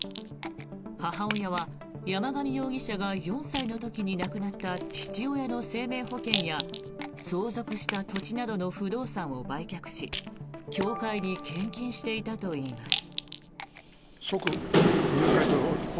母親は山上容疑者が４歳の時に亡くなった父親の生命保険や相続した土地などの不動産を売却し教会に献金していたといいます。